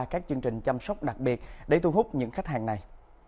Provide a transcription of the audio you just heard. các chương trình chăm sóc đặc biệt để thu hút những khách hàng này